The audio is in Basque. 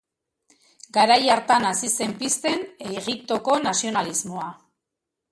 Garai horretan hasi zen pizten Egiptoko nazionalismoa.